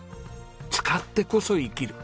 「使ってこそ生きる」